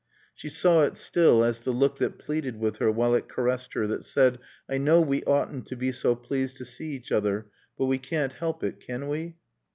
She saw it still as the look that pleaded with her while it caressed her, that said, "I know we oughtn't to be so pleased to see each other, but we can't help it, can we?"